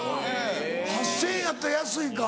８０００円やったら安いか。